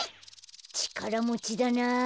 ちからもちだな。